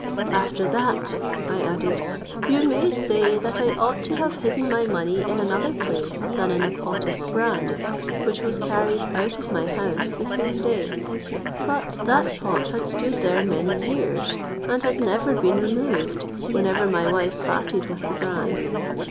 "After that," I added, "you may say that I ought to have hidden my money in another place than in a pot of bran, which was carried out of my house the same day: but that pot had stood there many years, and had never been removed, whenever my wife parted with the bran.